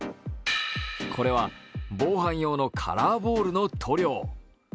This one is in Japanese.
これは防犯用のカラーボールの塗料。